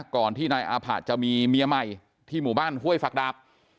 ก่อนที่นายอาผะจะมีเมียใหม่ที่หมู่บ้านห้วยฝักดาบ